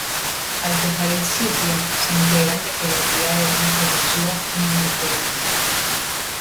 Al dejar el sitio, se enteran de que la tía Edna falleció mientras dormía.